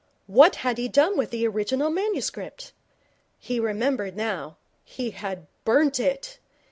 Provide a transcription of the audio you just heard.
What had he done with the original manuscript? He remembered now. He had burnt it.